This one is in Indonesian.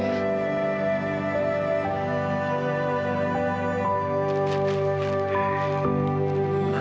masuk gak ya